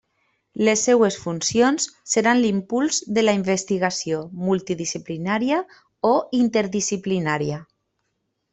Les seues funcions seran l'impuls de la investigació multidisciplinària o interdisciplinària.